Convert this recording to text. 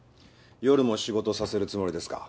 夜も仕事させるつもりですか？